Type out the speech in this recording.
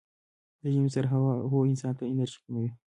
د ژمي سړه هوا انسان ته انرژي کموي.